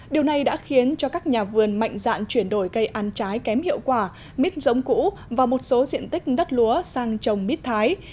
điều này đã khiến cho các nhà vườn mạnh dạn chuyển đổi cây ăn trái kém hiệu quả mít giống cũ và một số diện tích đất lúa sang trồng mít thái